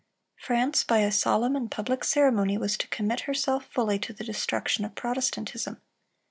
France by a solemn and public ceremony was to commit herself fully to the destruction of Protestantism.